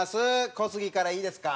小杉からいいですか？